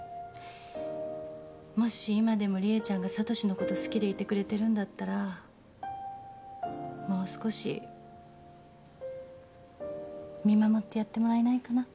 もし今でも理恵ちゃんが聡のこと好きでいてくれてるんだったらもう少し見守ってやってもらえないかな？